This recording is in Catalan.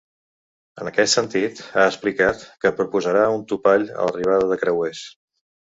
En aquest sentit, ha explicat que proposarà un topall a l’arribada de creuers.